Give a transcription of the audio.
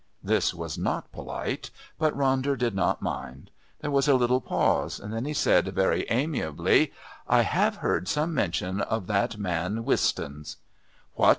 This was not polite, but Ronder did not mind. There was a little pause, then he said very amiably: "I have heard some mention of that man Wistons." "What!"